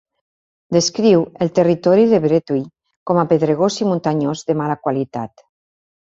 Descriu el territori de Bretui com a pedregós i muntanyós, de mala qualitat.